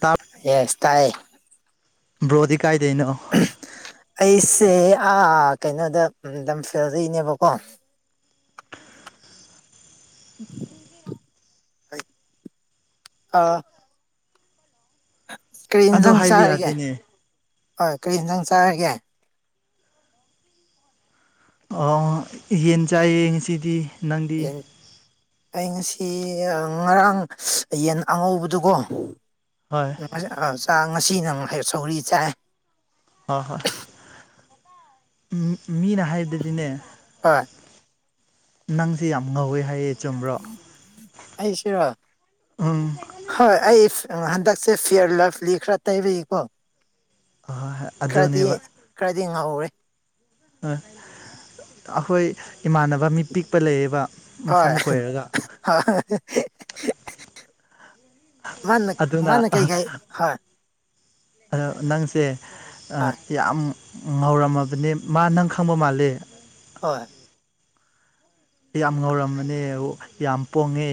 ꯇꯥꯞ ꯌꯦꯁ ꯇꯥꯏ ꯕ꯭ꯔꯣꯗꯤ ꯀꯥꯏꯗꯩꯅꯣ ꯑꯩꯁꯦ ꯀꯩꯅꯣꯗ ꯂꯝꯐꯦꯜꯗꯩꯅꯦꯕꯀꯣ [inaudible] ꯑꯥ ꯀꯔꯤ ꯑꯗꯣ ꯍꯤꯡꯖꯥꯡ ꯍꯥꯏꯕ ꯆꯥꯔꯒꯦ ꯌꯥꯗꯦꯅꯦ ꯑꯣ ꯀꯔꯤ ꯍꯤꯡꯖꯥꯡ ꯆꯥꯔꯒꯦ ꯑꯣ ꯌꯦꯟ ꯆꯥꯏꯌꯦ ꯉꯁꯤꯗꯤ ꯅꯪꯗꯤ ꯑꯩ ꯉꯁꯤ ꯉꯔꯥꯡ ꯌꯦꯟ ꯑꯉꯧꯕꯗꯨꯀꯣ ꯃꯅꯤ ꯆꯥꯛ ꯉꯁꯤꯅꯃꯨꯛ ꯁꯧꯒꯔꯤ ꯆꯥꯏ ꯍꯣꯏ ꯍꯣꯏ ꯃꯤꯅ ꯍꯥꯏꯕꯗꯗꯤꯅꯦ ꯍꯣꯏ ꯅꯪꯁꯦ ꯌꯥꯝ ꯉꯧꯋꯦ ꯍꯥꯏꯌꯦ ꯆꯨꯝꯕ꯭ꯔꯣ ꯑꯩ ꯁꯤꯔꯥ ꯎꯝ ꯍꯣꯏ ꯑꯩ ꯍꯟꯗꯛꯁꯦ ꯐꯤꯌꯔ ꯂꯞꯂꯤ ꯈꯔ ꯇꯩꯕꯩꯀꯣ ꯍꯣꯏ ꯑꯗꯨꯗꯅꯦꯕ ꯈꯔꯗꯤ ꯉꯧꯔꯦ ꯑꯩꯈꯣꯏ ꯏꯃꯥꯟꯅꯕ ꯃꯤ ꯄꯤꯛꯄ ꯂꯩꯌꯦꯕ ꯃꯁꯝ ꯈꯣꯏꯔꯒ ꯑꯣ ꯃꯥꯅ ꯑꯗꯨꯅ ꯃꯥꯅ ꯀꯩ ꯀꯩ ꯍꯥꯏ ꯑꯗꯣ ꯅꯪꯁꯦ ꯍꯣꯏ ꯌꯥꯝ ꯉꯧꯔꯝꯃꯕꯅꯤ ꯃꯥ ꯅꯪ ꯈꯪꯕ ꯃꯥꯂꯦ ꯍꯣꯏ ꯌꯥꯝ ꯉꯧꯔꯝꯕꯅꯦ ꯌꯥꯝ ꯄꯣꯡꯉꯦ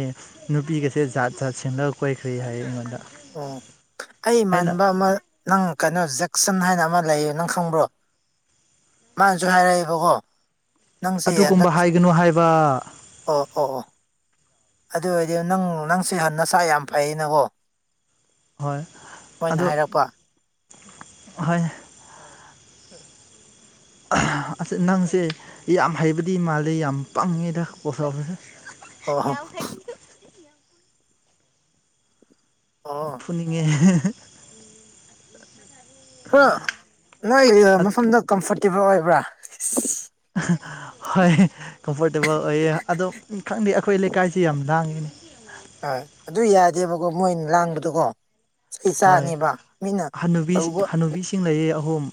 ꯅꯨꯄꯤꯒꯁꯦ ꯖꯥꯠ ꯖꯥꯠ ꯁꯤꯟꯂꯒ ꯀꯣꯏꯈ꯭ꯔꯦ ꯍꯥꯏ ꯑꯩꯉꯣꯟꯗ ꯑꯣ ꯑꯩ ꯑꯩꯅ ꯏꯃꯥꯟꯅꯕ ꯑꯃ ꯅꯪ ꯀꯩꯅꯣ ꯖꯦꯛꯁꯟ ꯍꯥꯏꯅ ꯑꯃ ꯂꯩꯌꯦ ꯅꯪ ꯈꯪꯕ꯭ꯔꯣ ꯃꯥꯅꯁꯨ ꯍꯥꯏꯔꯛꯑꯦꯕꯀꯣ ꯅꯪꯁꯦ ꯑꯗꯨꯒꯨꯝꯕ ꯍꯟꯗꯛ ꯍꯥꯏꯒꯅꯨ ꯍꯥꯏꯕ ꯑꯣ ꯑꯣ ꯑꯣ ꯑꯗꯨ ꯑꯣꯏꯔꯗꯤ ꯅꯪ ꯅꯪꯁꯦ ꯅꯁꯥ ꯌꯥꯝ ꯐꯩꯌꯦꯅꯀꯣ ꯍꯣꯏ ꯑꯗꯣ ꯍꯥꯏꯔꯛꯄ ꯍꯣꯏ ꯑꯁ ꯅꯪꯁꯦ ꯌꯥꯝ ꯍꯩꯕꯗꯤ ꯃꯥꯜꯂꯤꯦ ꯌꯥꯝ ꯄꯪꯉꯦꯗ ꯄꯣꯁꯐꯁꯦ ꯑꯣ ꯍꯣ ꯑꯥ [unintelligible] ꯈꯔ ꯅꯣꯏ ꯃꯐꯝꯗ ꯀꯝꯐꯣꯔꯇꯦꯕꯜ ꯑꯣꯏꯕ꯭ꯔꯥ ꯍꯣꯏ ꯀꯝꯐꯣꯔꯇꯦꯕꯜ ꯑꯣꯏꯌꯦ ꯑꯗꯣ ꯈꯪꯗꯦ ꯑꯩꯈꯣꯏ ꯂꯩꯀꯥꯏꯁꯤ ꯌꯥꯝ ꯂꯥꯡꯉꯤꯅꯤ ꯑꯣꯏ ꯑꯗꯨ ꯌꯥꯗꯦꯕꯀꯣ ꯃꯣꯏꯅ ꯂꯥꯡꯕꯗꯣꯀꯣ ꯆꯍꯤ ꯍꯣꯏ ꯆꯆꯥꯅꯦꯕ ꯃꯤꯠꯅ ꯑꯔꯨꯕ ꯏꯤꯡꯅꯩꯌꯦ ꯑꯍꯨꯝ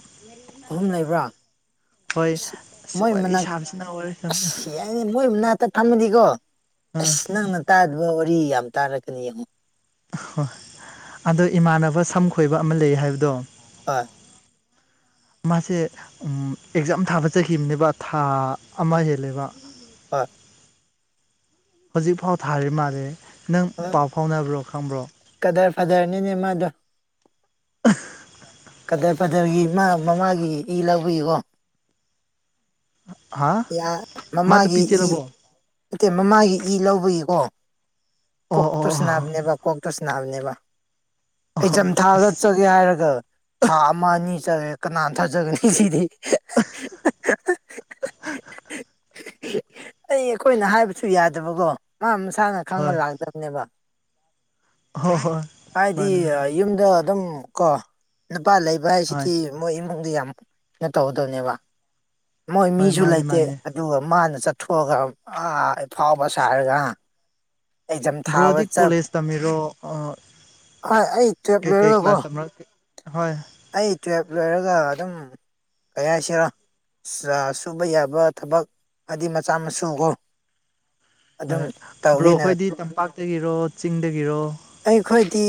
ꯑꯍꯨꯝ ꯂꯩꯕ꯭ꯔꯥ ꯍꯣꯏ ꯑ ꯃꯣꯏ ꯋꯥꯔꯤ ꯃꯅꯥꯛ ꯁꯥꯕꯁꯤꯅ ꯑꯣꯏꯔ ꯑꯁ ꯃꯣꯏ ꯅꯥꯛꯇ ꯐꯝꯃꯗꯤꯀꯣ ꯑꯥ ꯑꯁ ꯅꯪꯅ ꯇꯥꯗꯕ ꯋꯥꯔꯤ ꯌꯥꯝ ꯇꯥꯔꯛꯀꯅꯤ ꯌꯦꯡꯉꯣ ꯍ ꯑꯗꯣ ꯏꯃꯥꯟꯅꯕ ꯁꯝ ꯈꯣꯏꯕ ꯑꯃ ꯂꯩ ꯍꯥꯏꯕꯗꯣ ꯑꯥ ꯃꯥꯁꯦ ꯑꯦꯛꯖꯥꯝ ꯊꯥꯕꯆꯈꯤꯕꯅꯦꯕ ꯊꯥ ꯑꯃ ꯍꯦꯜꯂꯦꯕ ꯍꯣꯏ ꯍꯧꯖꯤꯛꯐꯥꯎ ꯊꯥꯔꯤ ꯃꯥꯜꯂꯦ ꯅꯪ ꯍꯣꯏ ꯄꯥꯎ ꯐꯥꯎꯅꯕ꯭ꯔꯣ ꯈꯪꯕ꯭ꯔꯣ ꯀꯗꯔ ꯐꯊꯔꯅꯤꯅꯦ ꯃꯥꯗꯣ ꯑ ꯀꯗꯔ ꯐꯗꯔꯒꯤ ꯃꯥ ꯃꯃꯥꯒꯤ ꯏ ꯂꯧꯕꯤꯌꯨꯀꯣ ꯍꯥ ꯃꯥ ꯃꯃꯥꯒꯤ ꯅꯨꯄꯤ ꯏ ꯆꯦꯜꯂꯕꯣ ꯅꯠꯇꯦ ꯃꯃꯥꯒꯤ ꯏ ꯂꯧꯕꯒꯤꯀꯣ ꯑꯣ ꯑꯣ ꯀꯣꯛꯛꯇꯣꯁ ꯑꯣ ꯅꯅꯥꯞꯅꯦꯕ ꯀꯣꯛꯛꯇꯁ ꯅꯅꯥꯕꯅꯦꯕ ꯑꯣ ꯑꯦꯖꯝ ꯑꯁ ꯊꯥꯒꯠꯆꯒꯦ ꯍꯥꯏꯔꯒ ꯊꯥ ꯑꯃ ꯑꯅꯤ ꯆꯠꯂꯦ ꯀꯅꯥ ꯊꯥꯖꯒꯅꯤ ꯁꯤꯗꯤ [inaudible] ꯑꯩ ꯑꯩꯈꯣꯏꯅ ꯍꯥꯏꯕꯁꯨ ꯌꯥꯗꯕꯀꯣ ꯃꯥ ꯃꯁꯥꯅ ꯈꯪꯉ ꯍꯣꯏ ꯂꯥꯛꯇꯕꯅꯦꯕ ꯍꯣꯏ ꯍꯣꯏ ꯍꯥꯏꯗꯤ ꯃꯥꯅꯦ ꯃꯥꯅꯦ ꯌꯨꯝꯗ ꯑꯗꯨꯝ ꯀꯣ ꯅꯨꯄꯥ ꯂꯩꯕ ꯍꯣꯏ ꯍꯥꯏꯁꯤꯗꯤ ꯃꯣꯏ ꯏꯃꯨꯡꯗ ꯌꯥꯝ ꯀꯩꯅꯣ ꯇꯧꯒꯗꯕꯅꯦꯕ ꯃꯣꯏ ꯍꯣꯏ ꯃꯤꯁꯨ ꯃꯥꯅꯦ ꯂꯩꯇꯦ ꯃꯥꯅꯦ ꯑꯗꯨꯒ ꯃꯥꯅ ꯆꯠꯊꯣꯛꯑꯒ ꯑꯥꯐꯥꯎꯕ ꯁꯥꯔꯒ ꯑꯦꯛꯖꯥꯝ ꯊꯥꯕ ꯕ꯭ꯔꯣꯗꯤꯞ ꯆꯞ ꯀꯣꯂꯦꯖꯇ ꯃꯦꯣ ꯍꯣꯏ ꯑꯩ ꯇꯨꯌꯦꯜꯞ ꯂꯣꯏꯔꯒꯀꯣ ꯍꯣꯏ ꯑꯩ ꯇꯨꯌꯦꯜꯞ ꯂꯣꯏꯔꯒ ꯑꯗꯨꯝ ꯀꯌꯥꯁꯤꯔꯣ ꯁꯨꯕ ꯌꯥꯕ ꯊꯕꯛ ꯍꯥꯏꯗꯤ ꯃꯆꯥ ꯃꯁꯨ ꯀꯣ ꯍ ꯕ꯭ꯔꯣ ꯑꯩꯈꯣꯏꯗꯤ ꯇꯝꯄꯥꯛꯇꯒꯤꯔꯣ ꯆꯤꯡꯗꯒꯤꯔꯣ ꯑꯩꯈꯣꯏꯗꯤ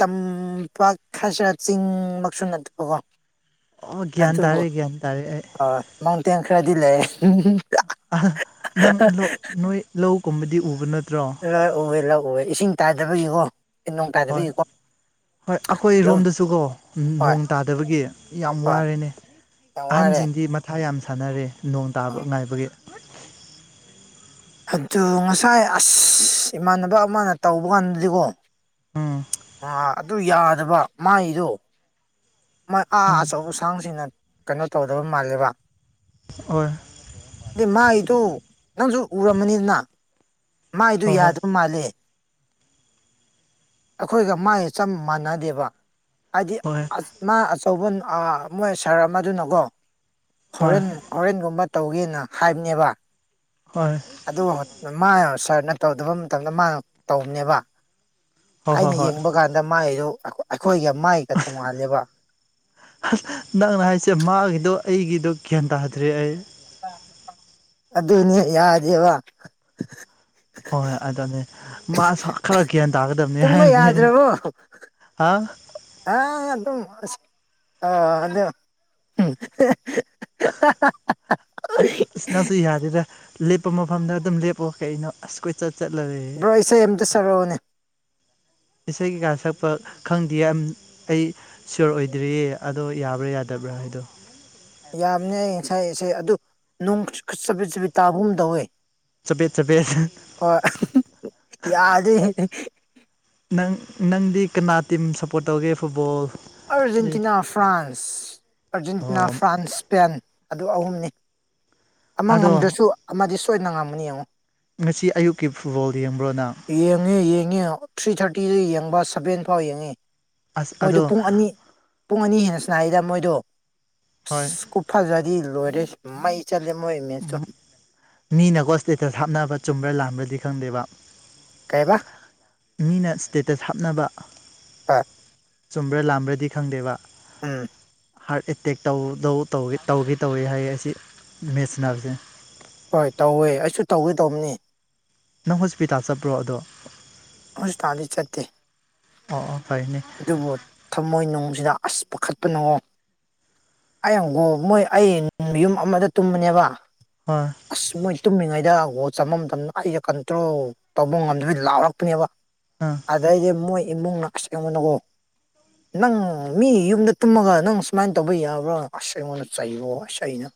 ꯇꯝꯄꯥꯛ ꯈꯖꯔ ꯆꯤꯡꯃꯛꯁꯨ ꯅꯠꯇꯕꯀꯣ ꯑꯣ ꯒ꯭ꯌꯥꯟ ꯇꯥꯔꯦ ꯒ꯭ꯌꯥꯟ ꯇꯥꯔꯦ ꯑꯩ ꯃꯥꯡꯇꯦꯟ ꯈꯔꯗꯤ ꯂꯩꯝ ꯅꯪ ꯅꯣꯏ ꯂꯧꯒꯨꯝꯕꯗꯤ ꯎꯕ ꯅꯠꯇ꯭ꯔꯣ ꯂꯥꯛ ꯎꯋꯦ ꯂꯥꯛꯎꯋꯦ ꯏꯁꯤꯡ ꯇꯥꯗꯕꯒꯤꯀꯣ ꯍꯣꯏ [inaudible] ꯍꯣꯏ ꯂꯧ ꯑꯩꯈꯣꯏꯔꯣꯝꯗꯁꯨꯀꯣ ꯍꯣꯏ ꯅꯣꯡ ꯇꯥꯗꯕꯒꯤ ꯌꯥꯝ ꯍꯣꯏ ꯋꯥꯔꯦꯅꯦ ꯌꯥꯝ ꯋꯥꯔꯦ ꯑꯍꯟꯁꯤꯡꯗꯤ ꯃꯊꯥ ꯌꯥꯝ ꯁꯥꯟꯅꯔꯦ ꯅꯣꯡ ꯇꯥꯕ ꯉꯥꯏꯕꯒꯤ ꯑꯗꯨ ꯉꯁꯥꯏ ꯑꯁ ꯏꯃꯥꯟꯅꯕ ꯑꯃꯅ ꯇꯧꯕ ꯀꯥꯟꯗꯗꯤꯀꯣ ꯎꯝ ꯑ ꯑꯗꯨ ꯌꯥꯗꯕ ꯃꯥꯏꯗꯣ ꯑꯥ ꯎꯝ ꯑꯆꯧꯕ ꯑꯁꯥꯡꯁꯤꯅ ꯀꯩꯅꯣ ꯇꯧꯗꯕ ꯃꯥꯜꯂꯦꯕ ꯍ ꯑꯗꯨꯗꯤ ꯃꯥꯏꯗꯨꯣ ꯅꯪꯁꯨ ꯎꯔꯝꯃꯅꯤꯗꯅ ꯃꯥꯏꯗꯨ ꯍꯣꯏ ꯍꯣꯏ ꯌꯥꯗꯕ ꯃꯥꯜꯂꯦ ꯑꯩꯈꯣꯏꯒ ꯃꯥꯏꯒ ꯆꯞ ꯃꯥꯟꯅꯗꯦꯕ ꯍꯥꯏꯗꯤ ꯍꯣꯏ ꯃꯥ ꯑꯆꯧꯕ ꯃꯣꯏ ꯁꯥꯔ ꯑꯃꯗꯨꯅꯀꯣ ꯍꯣꯏ ꯍꯣꯔꯦꯟ ꯑꯣꯣꯔꯦꯟꯒꯨꯝꯕ ꯇꯧꯒꯦꯅ ꯍꯥꯏꯕꯅꯦꯕ ꯍꯣꯏ ꯑꯗꯨ ꯃꯥꯅ ꯁꯥꯔꯅ ꯇꯧꯗꯕ ꯃꯇꯝꯗ ꯃꯥꯅ ꯇꯧꯕꯅꯦꯕ ꯍꯣꯏ ꯍꯣꯏ ꯑꯩꯅ ꯍꯣꯏ ꯌꯦꯡꯕ ꯀꯥꯟꯗ ꯃꯥꯏꯗꯨ ꯑꯩꯈꯣꯏꯒ ꯃꯥꯏꯒ ꯇꯣꯡꯉꯥꯜꯂꯦꯕ ꯅꯪꯅ ꯍꯥꯏꯁꯦ ꯃꯥꯒꯤꯗꯣ ꯑꯩꯒꯤꯗꯣ ꯒ꯭ꯌꯥꯟ ꯇꯥꯗ꯭ꯔꯦ ꯑꯩ ꯑꯗꯨꯅꯦ ꯌꯥꯗꯦꯕ ꯍꯣꯏ ꯍꯣꯏ ꯑꯗꯨꯅꯦ ꯃꯥꯁ ꯈꯔ ꯒ꯭ꯌꯥꯟ ꯇꯥꯒꯗꯕꯅꯤ ꯇꯨꯝꯕ ꯍꯥꯏꯔꯅꯦ ꯌꯥꯗ꯭ꯔꯕꯣ ꯍꯥ ꯑ ꯑꯗꯨꯝ ꯑ ꯑꯗꯨꯗ ꯏꯁꯅꯁꯨ ꯌꯥꯔꯤꯗꯦ ꯂꯦꯞꯄ ꯃꯐꯝꯗ ꯑꯗꯨꯝ ꯂꯦꯞꯄꯣ ꯀꯩ ꯑꯩꯅꯣ ꯑꯁ ꯀꯣꯏ ꯆ ꯆꯠꯂꯔꯦ ꯕ꯭ꯔꯣ ꯏꯁꯩ ꯑꯝꯇ ꯁꯔꯛꯑꯣꯅꯦ ꯏꯁꯩ ꯀꯩꯀꯥ ꯁꯛꯄ ꯈꯪꯗꯦ ꯑꯩ ꯁꯤꯌꯣꯔ ꯑꯣꯏꯗ꯭ꯔꯤꯌꯦ ꯑꯗꯣ ꯌꯥꯕ꯭ꯔꯥ ꯌꯥꯗꯕ꯭ꯔꯥ ꯍꯥꯏꯗꯣ ꯌꯥꯝꯅꯤ ꯑꯩ ꯉꯁꯥꯏ ꯏꯁꯩ ꯑꯗꯨ ꯅꯨꯡ ꯈꯨꯠꯆꯕꯤꯠ ꯆꯕꯤꯠ ꯇꯥꯕꯨꯝ ꯇꯧꯋꯦ ꯆꯄꯦꯠ ꯆꯄꯦꯠ ꯍ ꯌꯥꯗ ꯅꯪ ꯅꯪꯗꯤ ꯀꯅꯥ ꯇꯤꯝ ꯁꯞꯄꯣꯔꯠ ꯇꯧꯒꯦ ꯐꯨꯠꯕꯣꯜ ꯑꯥꯔꯖꯦꯟꯇꯤꯅꯥ ꯐ꯭ꯔꯥꯟꯁ ꯑꯥꯔꯖꯦꯟꯇꯤꯅꯥ ꯑꯣ ꯐ꯭ꯔꯥꯟꯁ ꯏꯁꯄꯦꯟ ꯑꯗꯨ ꯑꯍꯨꯝꯅꯤ ꯑꯃ ꯑꯗꯣ ꯉꯝꯗ꯭ꯔꯁꯨ ꯑꯃꯗꯤ ꯁꯣꯏꯅ ꯉꯝꯃꯅꯤ ꯌꯦꯡꯉꯨ ꯉꯁꯤ ꯑꯌꯨꯛꯀꯤ ꯐꯨꯠꯕꯣꯜ ꯌꯦꯡꯕ꯭ꯔꯣꯅ ꯌꯦꯡꯉꯦ ꯌꯦꯡꯉꯤ ꯊ꯭ꯔꯤ ꯊꯥꯔꯇꯤꯗ ꯌꯦꯡꯕ ꯁꯚꯦꯟ ꯐꯥꯎ ꯌꯦꯡꯉꯤ ꯑꯁ ꯑꯗꯣ ꯄꯨꯡ ꯑꯅꯤ ꯄꯨꯡ ꯑꯅꯤ ꯍꯦꯟꯅ ꯁꯅꯥꯔꯤꯗ ꯃꯣꯏꯗꯣ ꯍꯣꯏ ꯀꯨꯞꯐꯖꯗꯤ ꯂꯣꯏꯔꯦ ꯃꯩ ꯆꯠꯂꯦ ꯃꯣꯏ ꯃꯁꯨ ꯃꯤꯅꯀꯣ ꯁ꯭ꯇꯦꯇꯁ ꯍꯥꯞꯅꯕ ꯆꯨꯝꯕ꯭ꯔꯥ ꯂꯥꯥꯟꯕ꯭ꯔꯗꯤ ꯈꯪꯗꯦꯕ ꯀꯩꯥꯏꯕ ꯃꯤꯅ ꯏꯁ꯭ꯇꯦꯇꯁ ꯍꯥꯞꯅꯕ ꯑ ꯆꯨꯝꯕ꯭ꯔꯥ ꯂꯥꯝꯕ꯭ꯔꯗꯤ ꯈꯪꯗꯦꯕ ꯎꯝ ꯍꯥꯔꯠ ꯑꯦꯇꯦꯛ ꯇꯧꯗꯧ ꯇꯧꯒꯦ ꯇꯧꯏ ꯍꯥꯏꯒꯦ ꯑꯁꯤ ꯃꯦꯠꯁꯟꯅꯕꯁꯦ ꯍꯣꯏ ꯇꯧꯋꯦ ꯑꯩꯁꯨ ꯇꯧꯋꯦ ꯇꯧꯕꯅꯤ ꯅꯪ ꯍꯣꯁꯄꯤꯇꯥꯜ ꯆꯠꯄ꯭ꯔꯣ ꯑꯗꯣ ꯍꯁ ꯂꯤ ꯆꯠꯇꯦ ꯑꯣ ꯑꯣ ꯀꯥꯏꯅꯦ ꯑꯗꯨꯕꯨ ꯊꯃꯣꯏ ꯅꯨꯡꯁꯤꯗ ꯑꯁ ꯄꯥꯈꯠꯄ ꯅꯨꯡꯑꯣꯣ ꯑꯩꯪꯕꯨꯣ ꯃꯣꯏ ꯑꯩ ꯌꯨꯝ ꯑꯃꯗ ꯇꯨꯝꯕꯅꯦꯕ ꯍꯣꯏ ꯑꯁ ꯃꯣꯏ ꯇꯨꯝꯃꯤꯉꯩꯗ ꯍꯣ ꯆꯃꯝ ꯆꯝꯅ ꯑꯩꯒ ꯀꯟꯇ꯭ꯔꯣ ꯇꯧꯕ ꯉꯝꯗꯕꯩ ꯂꯥꯎꯔꯛꯇꯄꯅꯦꯕ ꯎꯝ ꯑꯗꯩꯗꯤ ꯃꯣꯏ ꯏꯃꯨꯡꯅꯁꯤꯕꯅꯀꯣ ꯅꯪ ꯃꯤ ꯌꯨꯝꯗ ꯇꯨꯝꯃꯒ ꯅꯪ ꯁꯨꯃꯥꯏꯅ ꯇꯧꯕ ꯌꯥꯕ꯭ꯔꯥ ꯑꯁ ꯑꯩꯉꯣꯟꯗ ꯆꯩꯔꯣ ꯑ ꯑꯩꯅ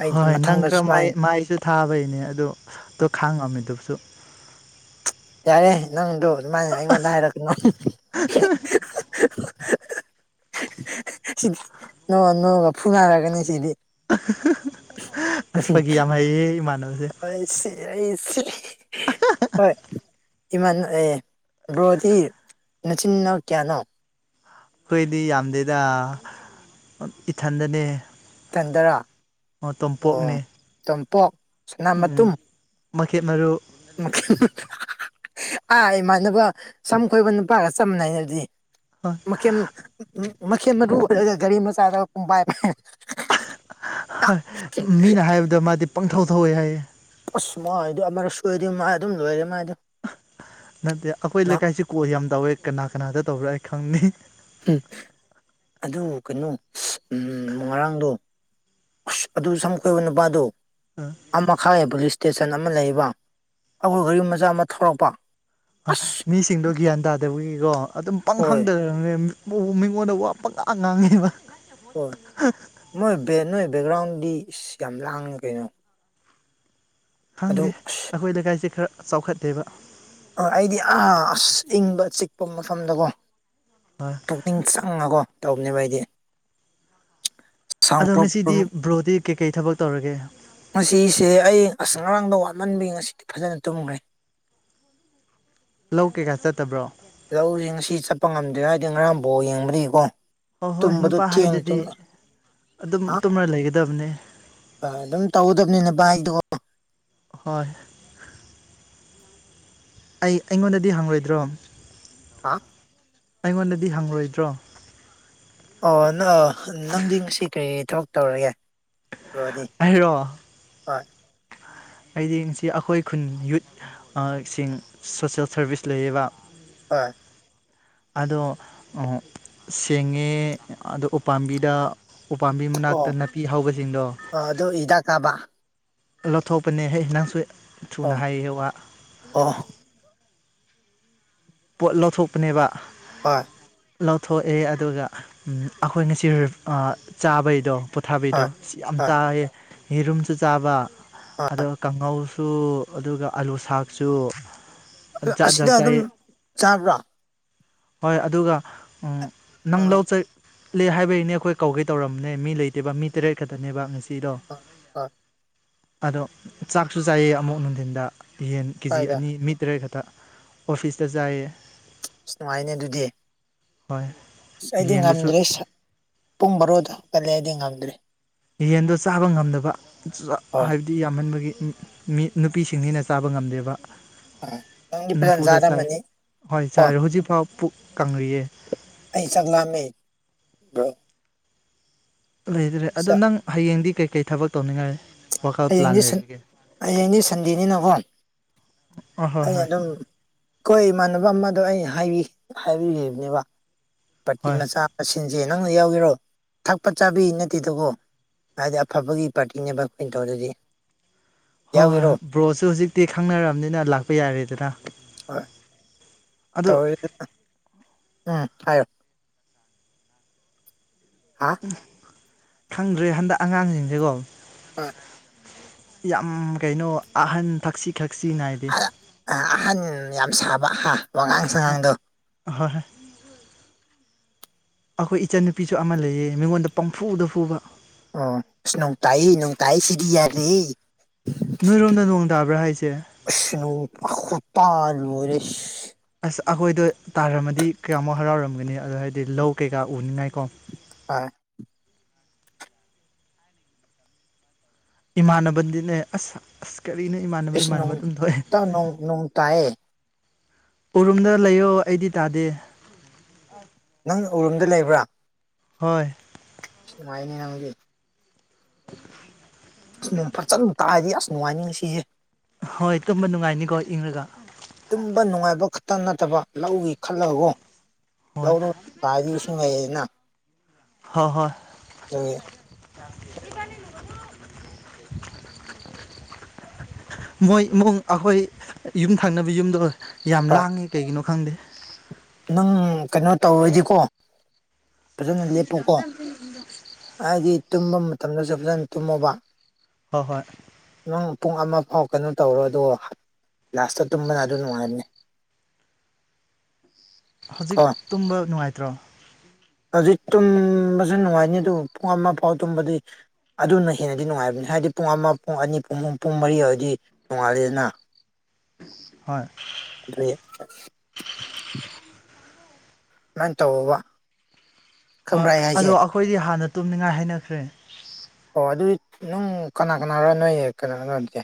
ꯑꯩꯗꯤ ꯍꯣꯏ ꯅꯪ ꯃꯊꯪꯗ ꯈꯔ ꯁꯨꯃꯥꯏꯅ ꯃꯥꯏꯁꯨ ꯊꯥꯕꯩꯅꯦ ꯑꯗꯨ ꯑꯗꯨꯣ ꯈꯥꯡꯉꯝꯃꯤꯗꯨꯁꯨ ꯌꯥꯔꯦ ꯅꯪꯗꯣ ꯑꯗꯨꯃꯥꯏꯅ ꯑꯩꯉꯣꯟꯗ ꯍꯥꯏꯔꯛꯀꯅꯨ ꯁꯤꯗꯤ ꯅꯣꯡ ꯅꯣꯡꯒ ꯐꯨꯅꯔꯒꯅꯤ ꯁꯤꯗꯤ ꯑꯁꯐꯒꯤ ꯌꯥꯝ ꯍꯩꯌꯦ ꯏꯃꯥꯟꯅꯕꯁꯦ ꯍ ꯁꯤ ꯁꯤ ꯍꯣꯏ ꯏꯃꯥꯟ ꯑꯦ ꯕ꯭ꯔꯣꯗꯤ ꯅꯆꯤꯅꯥꯎ ꯀꯌꯥꯅꯣ ꯑꯩꯈꯣꯏꯗꯤ ꯌꯥꯝꯗꯦꯗ ꯏꯊꯟꯗꯅꯦ ꯇꯟꯗꯔꯥ ꯑꯣ ꯇꯣꯝꯄꯣꯛ ꯁꯅꯥ ꯃꯇꯨꯝ ꯃꯈꯀꯦ ꯃꯔꯨ ꯑꯥ ꯏꯃꯥꯟꯅꯕ ꯁꯝ ꯈꯣꯏꯕ ꯅꯨꯄꯥꯒ ꯆ ꯃꯅꯩꯅꯗꯤ ꯃꯈꯦꯝ ꯃꯈꯦꯝ ꯑꯗꯨ ꯑꯣꯏꯔꯒ ꯒꯥꯔꯤ ꯃꯆꯥꯗ ꯄꯨꯝꯕꯥꯥꯏꯕ ꯃꯤꯅ ꯍꯥꯏꯕꯗ ꯃꯥꯗꯤ ꯄꯪꯊꯧ ꯊꯧꯋꯦ ꯍꯥꯏꯌꯦ ꯑꯁ ꯃꯗꯣ ꯑꯃꯛ ꯁꯨꯗꯤ ꯃꯥꯥꯏ ꯑꯗꯨꯝ ꯂꯣꯏꯔꯦ ꯃꯥꯏꯗꯣ ꯅꯠꯇꯦ ꯑꯩꯈꯣꯏ ꯂꯩꯀꯥꯏꯁꯤ ꯀꯣꯜ ꯌꯥꯝ ꯇꯧꯏꯦ ꯀꯅꯥ ꯀꯅꯥꯗ ꯇꯧꯕꯔꯥ ꯑꯩ ꯈꯪꯅꯤ ꯎꯝ ꯑꯗꯨ ꯀꯩꯅꯣ ꯎ ꯉꯔꯥꯡꯗꯣ ꯑꯁ ꯑꯗꯨ ꯁꯝ ꯀꯣꯏ ꯅꯨꯄꯥꯗꯣ ꯑꯥ ꯑꯃꯈꯥꯏꯑ ꯄꯨꯂꯤꯁ ꯏꯁꯇꯦꯁꯟ ꯑꯃ ꯂꯩꯕ ꯑꯩꯈꯣꯏ ꯒꯔꯤ ꯃꯆꯥ ꯑꯃ ꯊꯂꯛꯄ ꯃꯤꯁꯤꯡꯗꯣ ꯒ꯭ꯌꯥꯟ ꯇꯥꯗꯕꯒꯤꯀꯣ ꯑꯗꯨꯝ ꯄꯪ ꯍꯣꯏ ꯍꯪꯗ ꯦ ꯃꯤꯉꯣꯟꯗ ꯋꯥꯄ ꯉ ꯉꯥꯡꯉꯦꯕ ꯍꯣꯏ ꯃꯣꯏ ꯅꯣꯏ ꯕꯦꯛꯒ꯭ꯔꯥꯎꯟꯗꯤ ꯏꯁ ꯌꯥꯝ ꯂꯥꯡꯉꯤ ꯀꯩꯅꯣ ꯑꯗꯨ ꯈꯪꯗꯦ ꯑꯁ ꯑꯩꯈꯣꯏ ꯂꯩꯀꯥꯏꯁꯦ ꯈꯔ ꯆꯥꯎꯈꯠꯇꯠꯇꯦꯕ ꯑ ꯑꯩꯗꯤ ꯑꯁ ꯏꯪꯕ ꯆꯤꯛꯄ ꯃꯐꯝꯗꯀꯣ [unintelligible] ꯄꯨꯛꯅꯤꯡ ꯆꯪꯉꯀꯣ ꯇꯧꯕꯅꯦꯕ ꯑꯩꯗꯤ ꯁꯥꯎꯟ ꯑꯗꯣ ꯄ꯭ꯔꯨꯞ ꯉꯁꯤꯗꯤ ꯔꯨꯝ ꯕ꯭ꯔꯣꯗꯤ ꯀꯩꯀꯩ ꯊꯕꯛ ꯇꯧꯔꯒꯦ ꯉꯁꯤꯁꯦ ꯑꯩ ꯑꯁ ꯉꯔꯥꯡꯗꯣ ꯋꯥꯃꯟꯕꯒꯤ ꯉꯁꯤꯗꯤ ꯐꯖꯅ ꯇꯨꯝꯈ꯭ꯔꯦ [inaudible] ꯂꯧ ꯀꯩꯀꯥ ꯆꯠꯇꯕ꯭ꯔꯣ ꯂꯧꯖꯦ ꯉꯁꯤ ꯆꯠꯄ ꯉꯝꯗꯦ ꯍꯥꯏꯗꯤ ꯉꯔꯥꯡ ꯕꯣꯜ ꯌꯦꯡꯕꯅꯤꯀꯣ ꯍꯣꯏ ꯍꯣꯏ ꯇꯨꯝꯕꯗꯨ ꯅꯨꯄꯥ ꯊꯦꯡꯅ ꯍꯥꯏꯗꯨꯗꯤ ꯇꯨꯝꯃꯦ ꯑꯗꯨꯝ ꯍꯥ ꯇꯨꯝꯔ ꯂꯩꯒꯗꯕꯅꯤ ꯑꯗꯨꯝ ꯇꯧꯗꯕꯅꯤꯅ ꯕꯥꯏꯗꯣ ꯍꯣꯏ ꯑꯩ ꯑꯩꯉꯣꯟꯗꯗꯤ ꯍꯪꯪꯂꯣꯏꯗ꯭ꯔꯣ ꯍꯥ ꯑꯩꯉꯣꯟꯗꯗꯤ ꯍꯪꯔꯣꯏꯗ꯭ꯔꯣ ꯑꯣ ꯅ ꯅꯪꯗꯤ ꯉꯁꯤ ꯀꯔꯤ ꯊꯕꯛ ꯇꯧꯔꯒꯦ ꯕ꯭ꯔꯣꯗꯤ ꯑꯩꯔꯣ ꯍꯣꯏ ꯍꯌꯦꯡꯁꯤ ꯑꯈꯣꯏ ꯈꯨꯟ ꯌꯨꯠ ꯑ ꯁꯤꯡ ꯁꯣꯁꯦꯜ ꯁꯥꯔꯚꯤꯁ ꯂꯩꯌꯦꯕ ꯍꯣꯏ ꯑꯗꯣ ꯁꯦꯡꯉꯦ ꯑꯗꯣ ꯎꯄꯥꯝꯕꯤꯗ ꯎꯄꯥꯝꯕꯤ ꯃꯅꯥꯛꯇ ꯅꯥꯄꯤ ꯍꯧꯕꯁꯤꯡꯗꯣ ꯑꯣ ꯑꯗꯨ ꯍꯤꯗꯥꯛ ꯀꯥꯞꯕ ꯂꯧꯊꯣꯛꯄꯅꯦꯍꯦ ꯅꯪꯁꯨ ꯊꯨꯅ ꯑꯣ ꯍꯥꯏꯍꯦ ꯋꯥ ꯑꯣ ꯄꯣꯠ ꯂꯧꯊꯣꯛꯄꯅꯦꯕ ꯍꯣꯏ ꯂꯧꯊꯣꯛꯑꯦ ꯑꯗꯨꯒ ꯎꯝ ꯑꯩꯈꯣꯏ ꯉꯁꯤ ꯔꯤꯞ ꯆꯥꯕꯩꯗꯣ ꯊꯥꯕꯤꯗꯣ ꯍꯣꯏ ꯁꯤ ꯌꯥꯝ ꯍꯣꯏ ꯆꯥꯏꯌꯦ ꯌꯦꯔꯨꯝꯁꯨ ꯆꯥꯕ ꯑ ꯑꯗꯨꯒ ꯀꯥꯡꯉꯧꯁꯨ ꯑꯗꯨꯒ ꯑꯥꯂꯨ ꯁꯥꯛꯁꯨ ꯖꯥꯠ ꯑꯁꯤꯗ ꯖꯥꯠ ꯑꯗꯨꯝ ꯆꯥꯏ ꯆꯥꯕ꯭ꯔꯥ ꯍꯣꯏ ꯑꯗꯨꯒ ꯎꯝ ꯅꯪ ꯑꯥ ꯂꯧ ꯆꯠ ꯂꯩ ꯍꯥꯏꯕꯩꯅꯦ ꯑꯩꯈꯣꯏ ꯀꯧꯒꯦ ꯇꯧꯔꯝꯅꯦ ꯃꯤ ꯂꯩꯇꯦꯕ ꯃꯤ ꯇꯔꯦꯠ ꯈꯛꯇꯅꯦꯕ ꯉꯁꯤ ꯁꯤꯗꯣ ꯑꯥ ꯑꯥ ꯑꯗꯣ ꯆꯥꯛꯁꯨ ꯆꯥꯏꯌꯦ ꯑꯃꯨꯛ ꯅꯨꯡꯊꯤꯟꯗ ꯌꯦꯟ ꯀꯦꯖꯤ ꯀꯥꯏꯗ ꯑꯅꯤ ꯃꯤ ꯇꯔꯦꯠ ꯈꯛꯇ ꯑꯣꯐꯤꯁꯇ ꯆꯥꯏꯌꯦ ꯑꯁ ꯅꯨꯡꯉꯥꯏꯅꯦ ꯑꯗꯨꯗꯤ ꯍꯣꯏ ꯑꯁ ꯑꯩꯗꯤ ꯌꯦꯟꯗꯨꯁꯨ ꯉꯝꯗ꯭ꯔꯦ ꯁ ꯄꯨꯡ ꯕꯥꯔꯣꯗ ꯍꯧꯒꯠꯂꯦ ꯑꯩꯗꯤ ꯉꯝꯗ꯭ꯔꯦ ꯌꯦꯟꯗꯣ ꯆꯥꯕ ꯉꯝꯗꯕ ꯍꯣꯏ ꯍꯥꯏꯕꯗꯤ ꯌꯥꯝꯃꯟꯕꯒꯤ ꯃꯤ ꯅꯨꯄꯤꯁꯤꯡꯅꯤꯅ ꯆꯥꯕ ꯉꯝꯗꯦꯕ ꯑꯥ ꯅꯪꯗꯤ ꯐꯖꯅ ꯅꯝꯐꯨꯗ ꯆꯥꯏ ꯆꯥꯔꯝꯃꯅꯤ ꯍꯣꯏ ꯀꯣ ꯆꯥꯔꯦ ꯍꯧꯖꯤꯛꯐꯥꯎ ꯄꯨꯛ ꯀꯪꯔꯤꯌꯦ ꯑꯩ ꯆꯥꯛ ꯂꯥꯝꯃꯦ ꯕ꯭ꯔꯣ ꯂꯩꯗ꯭ꯔꯦ ꯑꯗꯣ ꯆꯥꯛ ꯅꯪ ꯍꯌꯦꯡꯗꯤ ꯀꯩꯀꯩ ꯊꯕꯛ ꯇꯧꯅꯤꯡꯉꯥꯏ ꯋꯥꯈꯜ ꯍꯌꯦꯡꯗꯤ ꯄ꯭ꯂꯥꯟ ꯁꯟ ꯂꯩꯔꯤꯒꯦ ꯍꯌꯦꯡꯗꯤ ꯁꯟꯗꯦꯅꯤꯅ ꯀꯣ ꯑ ꯍꯣꯏ ꯑꯩ ꯍꯣꯏ ꯑꯗꯨꯝ ꯈꯣꯏ ꯏꯃꯥꯟꯅꯕ ꯑꯃꯗꯣ ꯑꯩ ꯍꯥꯏꯕꯤ ꯍꯥꯏꯕꯤꯈꯤꯕꯅꯦꯕ ꯄꯥꯔꯇꯤ ꯍꯣꯏ ꯃꯆꯥ ꯑ ꯁꯤꯟꯁꯦ ꯅꯪꯅ ꯌꯥꯎꯒꯦꯔꯣ ꯊꯛꯄ ꯆꯥꯕꯤ ꯅꯠꯇꯦꯗꯀꯣ ꯍꯥꯏꯗꯤ ꯑꯐꯕꯒꯤ ꯄꯥꯔꯇꯤꯅꯦꯕ ꯑꯩ ꯇꯧꯔꯗꯤ ꯍꯣꯏ ꯍꯣꯏ ꯕ꯭ꯔꯣꯁꯨ ꯍꯧꯖꯤꯛꯇꯤ ꯈꯪꯅꯔꯕꯅꯤꯅ ꯂꯥꯛꯄ ꯌꯥꯔꯦꯗꯅ ꯑꯗꯣ ꯇꯧꯔꯤ [unintelligible] ꯎꯝ ꯍꯥꯏꯌꯣ ꯍꯥ ꯈꯪꯗ꯭ꯔꯦ ꯍꯟꯗꯛ ꯑꯉꯥꯡꯁꯤꯡꯁꯦꯀꯣ [unintelligible] ꯌꯥꯝ ꯀꯩꯅꯣ ꯑꯍꯟ ꯊꯛꯁꯤ ꯈꯛꯁꯤ ꯅꯥꯏꯗꯦ ꯑꯍꯟ ꯌꯥꯝ ꯁꯥꯕ ꯍꯥ ꯋꯥꯉꯥꯡ ꯁꯉꯥꯡꯗꯣ ꯍꯣꯏ ꯍꯣꯏ ꯑꯩꯈꯣꯏ ꯏꯆꯟꯅꯨꯄꯤꯁꯨ ꯑꯃ ꯂꯩꯌꯦ ꯃꯤꯉꯣꯟꯗ ꯄꯝꯐꯨꯗ ꯐꯨꯕ ꯑꯣ ꯅꯣꯡ ꯇꯥꯏ ꯅꯣꯡꯇꯥꯏ ꯁꯤꯗꯤ [unintelligible] ꯅꯣꯏꯔꯣꯝꯗ ꯅꯣꯡ ꯇꯥꯕ꯭ꯔꯥ ꯍꯥꯏꯁꯦ ꯏꯁ ꯅꯣꯡ ꯈꯨꯇ ꯂꯣꯢꯔꯦ ꯏꯁ ꯑꯁ ꯑꯩꯈꯣꯏꯗꯣ ꯇꯥꯔꯝꯃꯗꯤ ꯀꯌꯥꯃꯨꯛ ꯍꯔꯥꯎꯔꯝꯒꯅꯤ ꯑꯗꯣ ꯍꯥꯏꯗꯤ ꯂꯧ ꯀꯩꯀꯥ ꯎꯅꯤꯡꯉꯥꯏꯀꯣ [unintelligible] ꯏꯃꯥꯟꯅꯕꯗꯤꯅꯦ ꯑꯁ ꯑꯁ ꯀꯔꯤꯅ ꯏꯃꯥꯟꯅꯕ ꯏꯁ ꯏꯃꯥꯟꯅꯕ ꯅꯣꯡ ꯑꯗꯨꯝ ꯊꯣꯛꯑꯦ ꯇ ꯅꯣꯡ ꯅꯣꯡ ꯇꯥꯏꯌꯦ ꯎꯔꯨꯝꯗ ꯂꯩꯌꯣ ꯑꯩꯗꯤ ꯇꯥꯗꯦ ꯅꯪ ꯎꯔꯨꯝꯗ ꯂꯩꯕ꯭ꯔꯥ ꯍꯣꯏ [unintelligible] ꯅꯪꯗꯤ [unintelligible] ꯅꯣꯡ ꯐꯖꯠꯅ ꯇꯥꯔꯗꯤ ꯑꯁ ꯅꯨꯡꯉꯥꯏꯅꯤ ꯉꯁꯤꯁꯤ ꯍꯣꯏ ꯇꯨꯝꯝꯕ ꯅꯨꯡꯉꯥꯏꯅꯤꯀꯣ ꯏꯪꯔꯒ ꯇꯨꯝꯕ ꯅꯨꯡꯉꯥꯏꯕ ꯈꯛꯇ ꯅꯠꯇꯕ ꯂꯧꯒ ꯈꯜꯂꯒꯒꯣ ꯍꯣꯏ ꯂꯧꯔ ꯇꯥꯔꯗꯤ ꯏꯁꯤꯡ ꯂꯩꯌꯦꯅ ꯍꯣꯏ ꯍꯣꯏ [inaudible] ꯃꯣꯏ ꯏꯃꯨꯡ ꯑꯩꯈꯣꯏ ꯌꯨꯝ ꯊꯪꯅꯕ ꯌꯨꯝꯗꯣ ꯌꯥꯝ ꯂꯥꯡꯉꯤ ꯀꯩꯒꯤꯅꯣ ꯈꯪꯗꯦ ꯅꯪ ꯀꯩꯅꯣ ꯇꯧꯔꯗꯤꯀꯣ ꯐꯖꯅ ꯂꯦꯞꯄꯨꯀꯣ [unintelligible] ꯍꯥꯏꯗꯤ ꯇꯨꯝꯕ ꯃꯇꯝꯗꯁꯨ ꯐꯖꯅ ꯇꯨꯝꯃꯣꯕ ꯍꯣꯏ ꯍꯣꯏ ꯅꯪ ꯄꯨꯡ ꯑꯃ ꯐꯥꯎ ꯀꯩꯅꯣ ꯇꯧꯔꯣ ꯑꯗꯨ ꯂꯥꯁ ꯇꯨꯝꯕꯅ ꯑꯗꯨ ꯅꯨꯡꯉꯥꯏꯅꯤ ꯍꯧꯖꯤꯛ ꯇꯨꯝꯕ ꯅꯨꯡꯉꯥꯏꯇ꯭ꯔꯣ ꯍꯧꯖꯤꯛ ꯇꯨꯝꯕꯁꯨ ꯅꯨꯡꯉꯥꯏꯅꯤ ꯑꯗꯨꯕꯨ ꯄꯨꯡ ꯑꯃ ꯐꯥꯎ ꯇꯨꯝꯕꯗꯤ ꯑꯗꯨꯅ ꯍꯦꯟꯅꯗꯤ ꯅꯨꯡꯉꯥꯏꯕꯅꯤ ꯍꯥꯏꯗꯤ ꯄꯨꯡ ꯑꯃ ꯄꯨꯡ ꯑꯅꯤ ꯄꯨꯡ ꯄꯨꯡ ꯃꯔꯤ ꯑꯣꯏꯔꯗꯤ ꯅꯨꯡꯉꯥꯢꯔꯦꯗꯅ ꯍꯣꯏ ꯑꯗꯨꯏ ꯑꯗꯨꯃꯥꯢ ꯇꯧꯑꯣꯕ ꯑꯗꯣ ꯑꯩꯈꯣꯏꯗꯤ ꯍꯥꯟꯅ ꯇꯨꯝꯅꯤꯡꯉꯥꯏ ꯍꯥꯏꯅꯈ꯭ꯔꯦ ꯑꯣ ꯑꯗꯨꯗꯤ ꯅꯅꯨꯡ ꯀꯅꯥ ꯀꯅꯥꯔꯣ ꯅꯣꯏ ꯀꯩꯅꯣꯅꯣꯁꯦ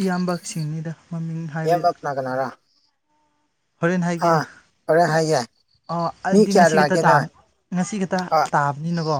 ꯏꯌꯥꯝꯕꯁꯤꯡꯅꯤꯗ ꯃꯃꯤꯡ ꯍꯥꯏꯕꯩ ꯏꯌꯥꯝꯕ ꯀꯅꯥ ꯀꯅꯥꯔ ꯍꯣꯔꯦꯟ ꯑꯥ ꯍꯥꯏꯒꯦ ꯍꯣꯔꯦꯟ ꯍꯥꯏꯒꯦ ꯑꯣ ꯃꯤ ꯑꯗꯨꯗꯤ ꯀꯌꯥ ꯉꯁꯤ ꯂꯥꯛꯀꯦ ꯅꯪ ꯈꯛꯇꯥꯕ ꯉꯁꯤ ꯈꯛꯇ ꯑꯥ ꯇꯥꯕꯅꯤꯅꯀꯣ